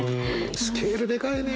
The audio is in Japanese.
スケールでかいね。